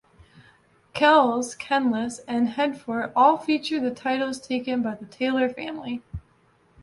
Kells, Kenlis and Headfort all feature in the titles taken by the Taylor family.